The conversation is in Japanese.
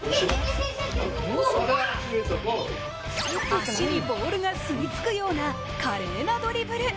足にボールが吸い付くような華麗なドリブル。